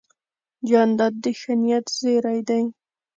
جانداد د ښه نیت زېرى دی.